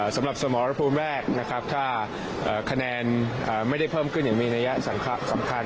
สำหรับสมรภูมิแรกนะครับถ้าคะแนนไม่ได้เพิ่มขึ้นอย่างมีนัยสำคัญ